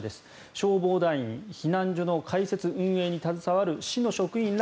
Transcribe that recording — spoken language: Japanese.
消防団員避難所の開設・運営に携わる市の職員ら